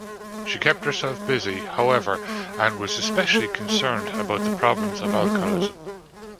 She kept herself busy, however, and was especially concerned about the problems of alcoholism.